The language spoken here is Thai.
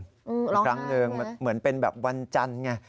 ร้องไห้ไหมครั้งหนึ่งเหมือนเป็นแบบวันจันทร์ไง